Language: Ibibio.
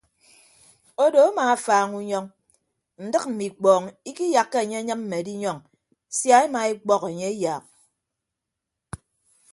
Odo amaafaaña unyọñ ndịk mme ikpọọñ ikiyakka enye enyịmme edinyọñ sia ema ekpọk enye eyaak.